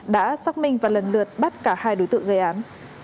đã xác minh và lần lượt bắt cả hai đối tượng gây án